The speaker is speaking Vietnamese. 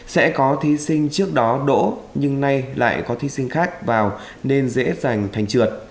sẽ có thí sinh trước đó đỗ nhưng nay lại có thí sinh khác vào nên dễ giành thành trượt